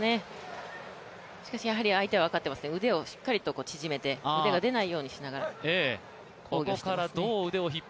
しかしやはり相手は分かっていますね、腕をしっかり縮めて腕が出ないようにしながら防御していますね。